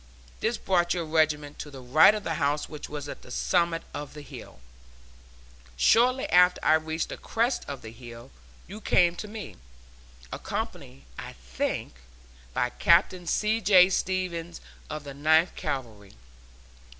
This brought your regiment to the right of the house which was at the summit of the hill. Shortly after I reached the crest of the hill you came to me, accompanied, I think, by Captain C. J. Stevens, of the Ninth Cavalry.